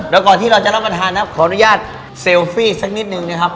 แล้วก่อนที่เราจะรับประทานนะครับขออนุญาตเซลฟี่สักนิดนึงนะครับ